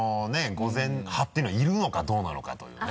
午前派っていうのはいるのかどうなのかというね。